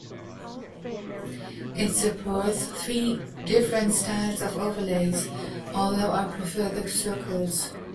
It supports three different styles of overlays, although I prefer the circles.